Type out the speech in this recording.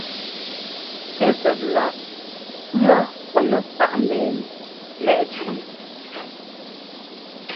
Ɛ́ tsɛt láꞌ pʉ̈ɔ́ pɔ́ nɛ faꞌ mbɛ́ɛnɛ lɛ́ꞌ tsʉʉ.